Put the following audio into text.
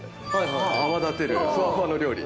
泡立てるふわふわの料理。